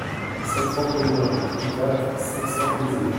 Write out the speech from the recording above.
sept rampe des Moulins, trente-quatre, cinq cents, Béziers